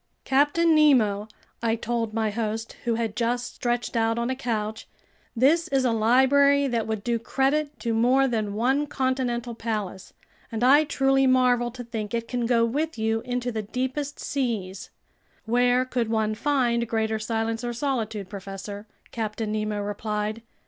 "Captain Nemo," I told my host, who had just stretched out on a couch, "this is a library that would do credit to more than one continental palace, and I truly marvel to think it can go with you into the deepest seas." "Where could one find greater silence or solitude, professor?" Captain Nemo replied.